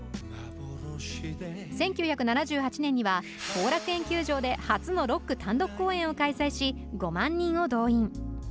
１９７８年には後楽園球場で初のロック単独公演を開催し５万人を動員。